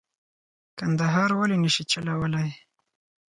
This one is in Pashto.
کندهار ولې نه شي چلولای.